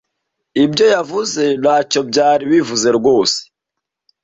Ibyo yavuze ntacyo byari bivuze rwose.